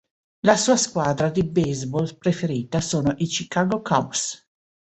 La sua squadra di baseball preferita sono i Chicago Cubs.